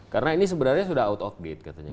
karena ini sebenarnya sudah out outdate katanya